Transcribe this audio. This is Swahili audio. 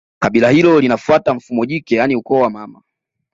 Kabila hilo linafuata mfumo jike yaani ukoo wa mama